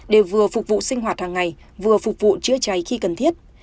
để vừa phục vụ sinh hoạt hàng ngày vừa phục vụ chữa cháy khi cần thiết